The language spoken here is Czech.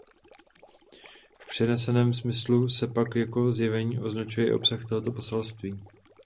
V přeneseném smyslu se pak jako zjevení označuje i obsah tohoto poselství.